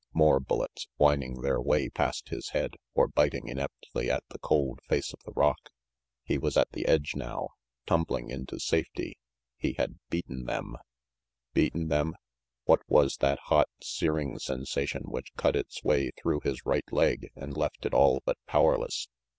More bullets, whining their way past his head, or biting ineptly at the cold face of the rock. He was at the edge now, tumbling into safety he had beaten them Beaten them what was that hot, searing sen sation which cut its way through his right leg and left it all but powerless?